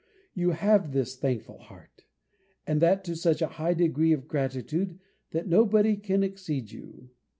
You have this thankful heart; and that to such a high degree of gratitude, that nobody can exceed you.